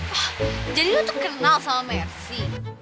oh jadi lo tuh kenal sama mercy